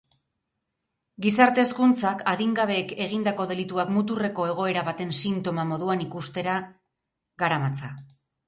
Gizarte hezkuntzak, adingabeek egindako delituak muturreko egoera baten sintoma moduan ikustera garamatza.